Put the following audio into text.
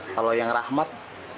kalau yang rahmat